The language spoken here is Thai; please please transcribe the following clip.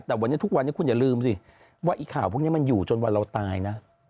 แต่วันนี้ทุกวันนี้คุณอย่าลืมสิว่าไอ้ข่าวพวกนี้มันอยู่จนวันเราตายนะ